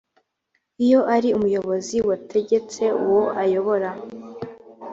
iyo ari umuyobozi wategetse uwo ayobora